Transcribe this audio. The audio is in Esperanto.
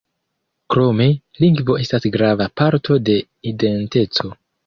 Krome, lingvo estas grava parto de identeco.